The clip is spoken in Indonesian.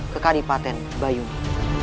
ke kadipaten bayuni